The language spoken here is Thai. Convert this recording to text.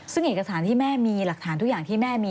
ซึ่งเอกสารที่แม่มีหลักฐานทุกอย่างที่แม่มี